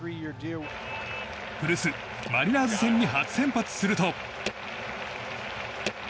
古巣マリナーズ戦に初先発すると。